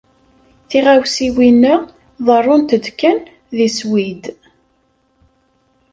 Tiɣawsiwin-a ḍerrunt kan deg Swid.